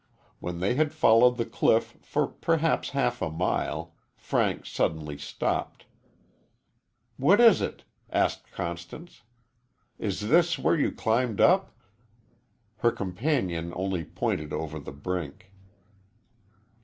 When they had followed the cliff for perhaps half a mile, Frank suddenly stopped. "What is it?" asked Constance, "is this where you climbed up?" Her companion only pointed over the brink.